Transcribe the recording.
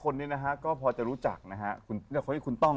นี่หมอดูหรือนักร้อง